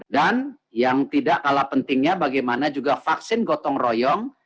dan yang tidak kalah pentingnya bagaimana juga vaksin gotong royong